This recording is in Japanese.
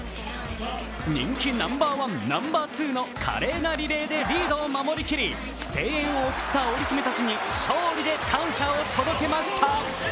人気ナンバーワン、ナンバーツーの華麗なリレーでリードを守り切り、声援を送ったオリ姫たちに勝利で感謝を届けました。